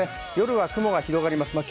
夜は雲が広がります。